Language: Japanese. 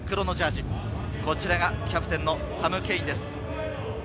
黒のジャージー、こちらがキャプテンのサム・ケインです。